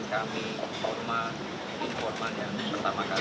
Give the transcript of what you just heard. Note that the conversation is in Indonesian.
ya seperti yang tadi saya sampaikan